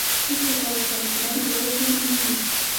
د سبا لپاره پلان جوړول ډېر مهم دي.